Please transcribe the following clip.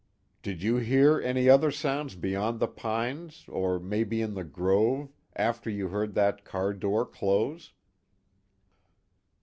"Did you hear any other sounds beyond the pines, or maybe in the grove, after you heard that car door close?"